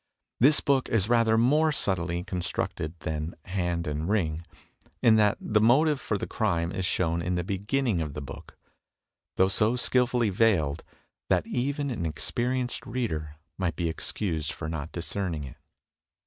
This book is rather more subtly con structed than "Hand and Ring," in that the motive for the crime is shown in the beginning of the book; though so skilfully veiled that even an experienced reader might be excused for not discerning it.